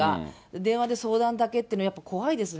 電話で相談だけっていうのは怖いですね。